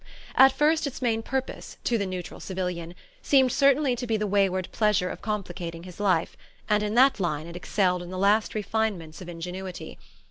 At first its main purpose, to the neutral civilian, seemed certainly to be the wayward pleasure of complicating his life; and in that line it excelled in the last refinements of ingenuity.